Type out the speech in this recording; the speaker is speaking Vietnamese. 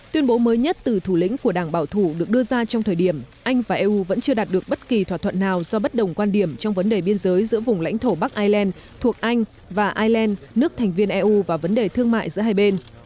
tuyên bố mới nhất từ thủ lĩnh của đảng bảo thủ được đưa ra trong thời điểm anh và eu vẫn chưa đạt được bất kỳ thỏa thuận nào do bất đồng quan điểm trong vấn đề biên giới giữa vùng lãnh thổ bắc ireland thuộc anh và ireland nước thành viên eu và vấn đề thương mại giữa hai bên